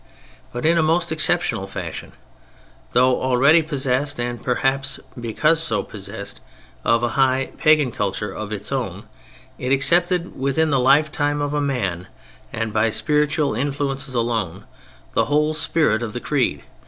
But in a most exceptional fashion, though already possessed, and perhaps because so possessed, of a high pagan culture of its own, it accepted within the lifetime of a man, and by spiritual influences alone, the whole spirit of the Creed.